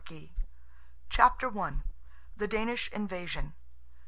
BOOK II. CHAPTER I. THE DANISH INVASION.